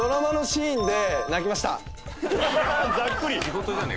ざっくり！